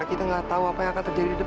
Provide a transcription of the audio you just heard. aku udah muak sama kamu tristan